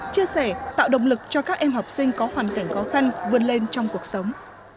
chia sẻ tạo động lực cho các em học sinh có hoàn cảnh khó khăn vươn lên trong cuộc sống